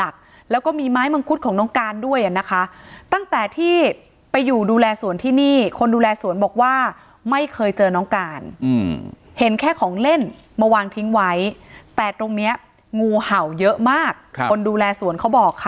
คนดูแลสวนที่นี่คนดูแลสวนบอกว่าไม่เคยเจอน้องการเห็นแค่ของเล่นมาวางทิ้งไว้แต่ตรงเนี้ยงูเห่าเยอะมากคนดูแลสวนเค้าบอกค่ะ